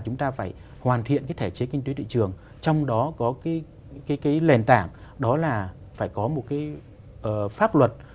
chúng ta phải hoàn thiện cái thể chế kinh tế thị trường trong đó có cái lền tảng đó là phải có một cái pháp luật